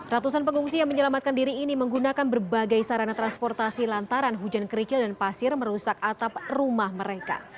ratusan pengungsi yang menyelamatkan diri ini menggunakan berbagai sarana transportasi lantaran hujan kerikil dan pasir merusak atap rumah mereka